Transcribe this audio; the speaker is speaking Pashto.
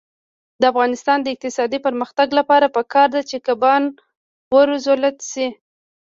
د افغانستان د اقتصادي پرمختګ لپاره پکار ده چې کبان وروزلت شي.